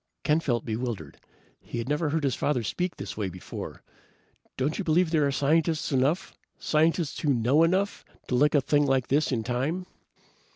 Ken felt bewildered. He had never heard his father speak this way before. "Don't you believe there are scientists enough scientists who know enough to lick a thing like this in time?"